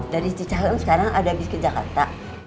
dari cicahem sekarang ada bis ke jakarta